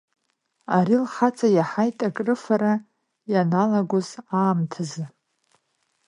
Ари лхаҵа иаҳаит акрыфара ианалагоз аамҭазы.